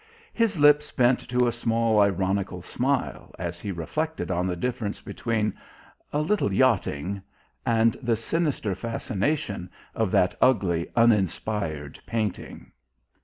His lips bent to a small ironical smile as he reflected on the difference between "a little yachting" and the sinister fascination of that ugly, uninspired painting....